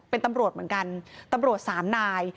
เป็นตำรวจเหมือนกันตำรวจสามนาย